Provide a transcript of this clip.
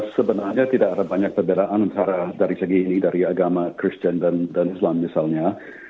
sebenarnya tidak ada banyak perbedaan antara dari segi dari agama kristen dan islam misalnya